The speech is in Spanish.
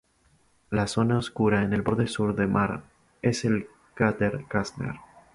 La zona oscura en el borde sur del mar es el cráter Kästner.